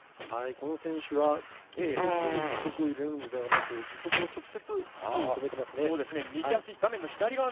この選手はスキー靴に義足を入れるのではなく義足を直接スキーに留めてますね。